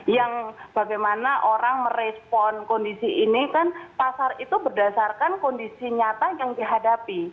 yang bagaimana orang merespon kondisi ini kan pasar itu berdasarkan kondisi nyata yang dihadapi